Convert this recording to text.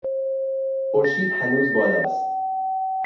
خورشید هنوز بالا است.